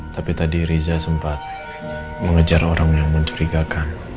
tapi tadi riza sempat mengejar orang yang mencurigakan